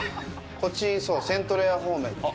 こっち、そう、セントレア方面。